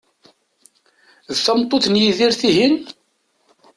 D tameṭṭut n Yidir, tihin?